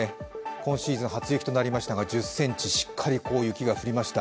今シーズン初雪となりましたが、１０ｃｍ、しっかり大雪が降りました。